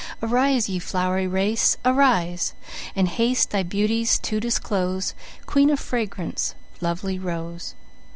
Arise ye flow'ry Race, arise! And haste thy Beauties to disclose, Queen of Fragrance, lovely Rose!